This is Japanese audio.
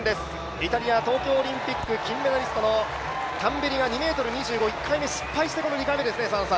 イタリア東京オリンピック金メダリストのタンベリが２ｍ２５、１回目に失敗して２回目ですね。